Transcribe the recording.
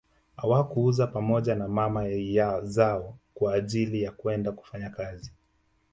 Hawakuuzwa pamoja na mama zao kwa ajili ya kwenda kufanya kazi